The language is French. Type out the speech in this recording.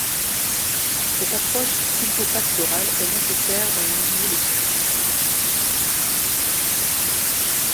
Cette approche sylvopastorale est nécessaire dans les milieux les plus difficiles.